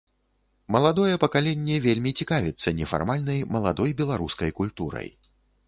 Маладое пакаленне вельмі цікавіцца нефармальнай маладой беларускай культурай.